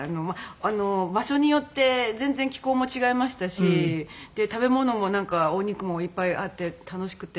場所によって全然気候も違いましたし食べ物もなんかお肉もいっぱいあって楽しくて。